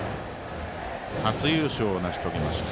初優勝を成し遂げました。